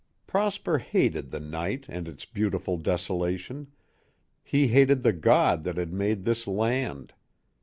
Prosper hated the night and its beautiful desolation, he hated the God that had made this land.